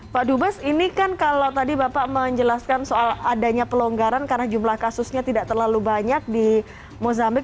pak dubes ini kan kalau tadi bapak menjelaskan soal adanya pelonggaran karena jumlah kasusnya tidak terlalu banyak di mozambik